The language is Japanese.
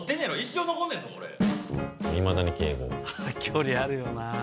距離あるよなあ